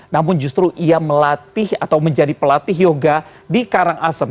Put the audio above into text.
namun justru ia melatih atau menjadi pelatih yoga di karangasem